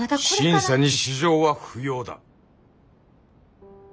審査に私情は不要だ。